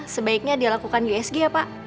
sebaiknya dia lakukan usg ya pa